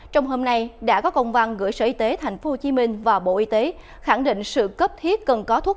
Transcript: trong hôm nay đã có công văn gửi sở y tế thành phố hồ chí minh và bộ y tế khẳng định sự cấp thiết cần có thuốc